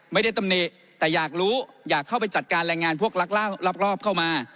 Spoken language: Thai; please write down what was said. ตำหนิแต่อยากรู้อยากเข้าไปจัดการแรงงานพวกลักลอบเข้ามา